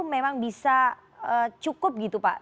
memang bisa cukup gitu pak